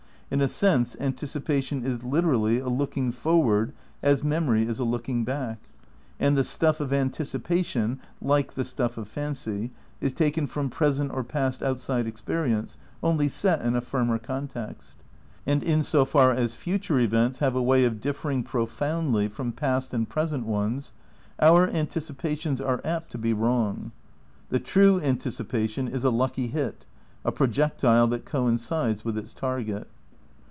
In a sense anticipation is literally a looking forward as memory is a looking back. And the '' stuff '' of anticipation, like the '' stuff of fancy, '' is taken from present or past out side experience, only set in a firmer context. And in sofar as future events have a way of differing pro foundly from past and present ones, our anticipations are apt to be wrong. The true anticipation is a lucky hit, a projectile that coincides with its target.